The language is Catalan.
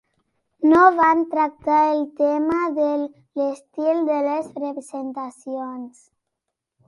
No van tractar el tema de l'estil de les presentacions.